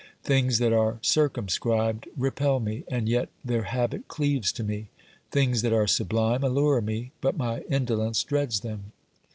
Things that are circumscribed repel me, and yet their habit cleaves to me; things that are sublime allure me, but my indolence dreads them.